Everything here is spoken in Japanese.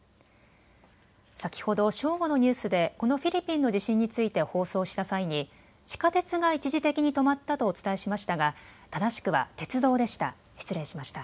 先ほど正午のニュースでこのフィリピンの地震について放送した際に地下鉄が一時的に止まったとお伝えしましたが正しくは鉄道でした。